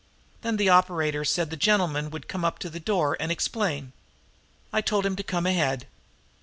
Then the operator said the gentleman would come up to the door and explain. I told him to come ahead.